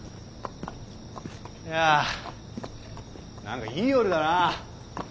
いや何かいい夜だな。